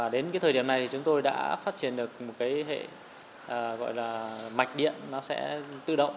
đến thời điểm này chúng tôi đã phát triển được một hệ mạch điện tự động